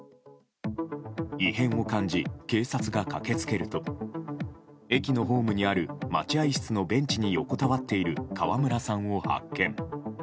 異変を感じ、警察が駆け付けると駅のホームにある待合室のベンチに横たわっている川村さんを発見。